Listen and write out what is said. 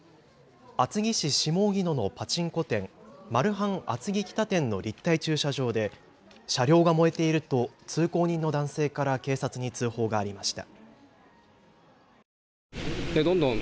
厚木市下荻野のパチンコ店、マルハン厚木北店の立体駐車場で車両が燃えていると通行人の男性から警察に通報がありました。